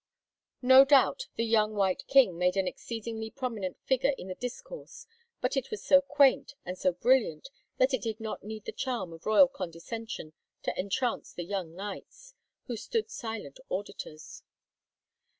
No doubt "the young white king" made an exceedingly prominent figure in the discourse, but it was so quaint and so brilliant that it did not need the charm of royal condescension to entrance the young knights, who stood silent auditors.